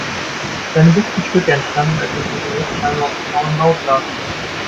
Seine besten Stücke entstanden, als der Komponist scheinbar auf der faulen Haut lag.